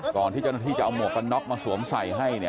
ก่อนที่จะเอาหมวกกระน็อกมาสวมใส่ให้เนี่ย